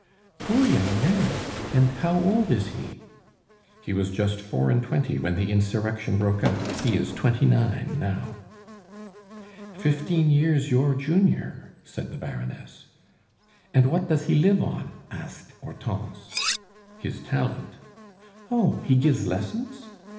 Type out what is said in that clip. "Poor young man! And how old is he?" "He was just four and twenty when the insurrection broke out he is twenty nine now." "Fifteen years your junior," said the Baroness. "And what does he live on?" asked Hortense. "His talent." "Oh, he gives lessons?"